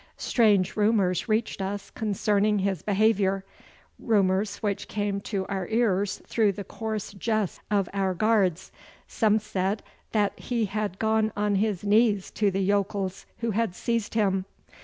Strange rumours reached us concerning his behaviour rumours which came to our ears through the coarse jests of our guards. Some said that he had gone on his knees to the yokels who had seized him.